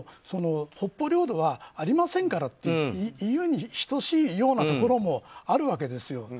北方領土はありませんからっていうに等しいようなところもあるわけですよ。